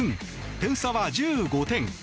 点差は１５点。